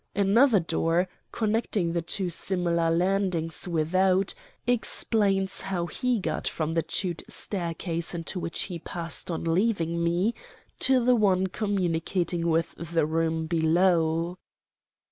Another door, connecting the two similar landings without, explains how he got from the chute staircase into which he passed, on leaving me, to the one communicating with the room below.